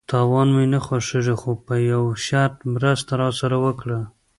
_تاوان مې نه خوښيږي، خو په يوه شرط، مرسته راسره وکړه!